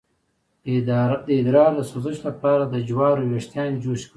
د ادرار د سوزش لپاره د جوارو ویښتان جوش کړئ